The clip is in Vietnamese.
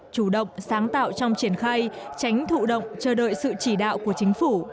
chủ động sáng tạo trong triển khai tránh thụ động chờ đợi sự chỉ đạo của chính phủ